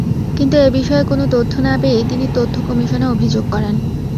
কিন্তু এ বিষয়ে কোনো তথ্য না পেয়ে তিনি তথ্য কমিশনে অভিযোগ করেন।